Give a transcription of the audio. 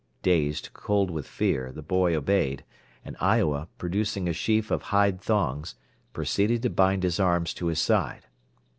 Dazed, cold with fear, the boy obeyed, and Iowa, producing a sheaf of hide thongs, proceeded to bind his arms to his side.